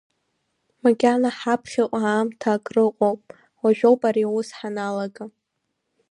Макьана ҳаԥхьаҟа аамҭа акрыҟоуп, уажәоуп ари аус ҳаналага!